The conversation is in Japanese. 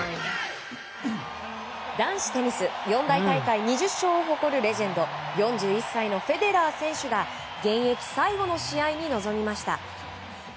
男子テニス、四大大会２０勝を誇るレジェンド４１歳のフェデラー選手が現役最後の試合に臨みました。